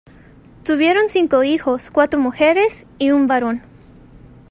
Tuvieron cinco hijos, cuatro mujeres y un varón.